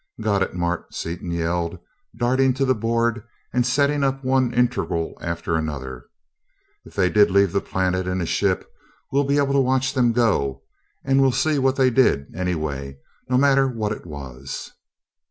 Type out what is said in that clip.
"Got it, Mart!" Seaton yelled, darting to the board and setting up one integral after another. "If they did leave the planet in a ship, we'll be able to watch them go and we'll see what they did, anyway, no matter what it was!"